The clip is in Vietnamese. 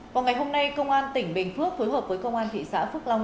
vào ngày hôm nay công an tỉnh bình phước phối hợp với công an thị xã phước long